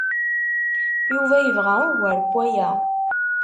Yuba yebɣa ugar n waya.